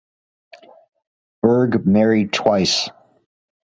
Berg married twice.